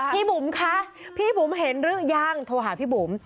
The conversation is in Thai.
บุ๋มคะพี่บุ๋มเห็นหรือยังโทรหาพี่บุ๋ม